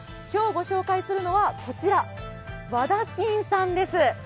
今日ご紹介するのはこちら、和田金さんです。